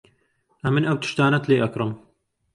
ئەمن ئەو تشتانەت لێ ئەکڕم.